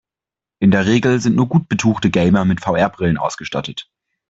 In der Regel sind nur gut betuchte Gamer mit VR-Brillen ausgestattet.